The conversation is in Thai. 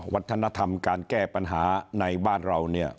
วัฒนธรรมการแก้ปัญหาในบ้านเราเนี่ย